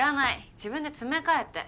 自分で詰め替えて。